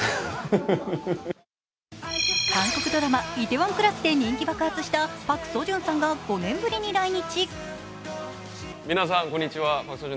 韓国ドラマ「梨泰院クラス」で人気爆発したパク・ソンジュンさんが５年ぶりに来日。